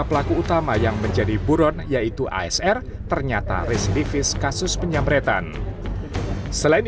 pelaku utama yang menjadi buron yaitu asr ternyata residivis kasus penyamretan selain